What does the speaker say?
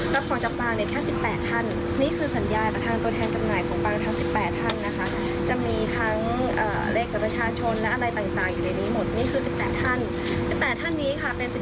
แล้วก็จบ